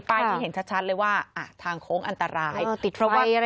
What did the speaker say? ป้ายที่เห็นชัดชัดเลยว่าอ่ะทางโค้งอันตรายอ่อติดไฟอะไรอย่างงี้เนอะ